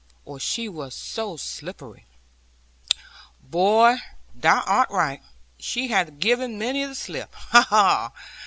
She was so slippery ' 'Boy, thou art right. She hath given many the slip. Ha, ha!